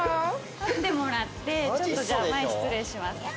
立ってもらってちょっとじゃあ前失礼します。